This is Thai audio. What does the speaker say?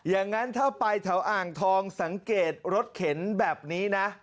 อย่างนั้นถ้าไปแถวอ่างทองสังเกตรถเข็นแบบนี้นะ